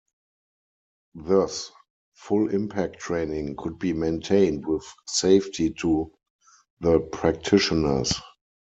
Thus, full impact training could be maintained with safety to the practitioners.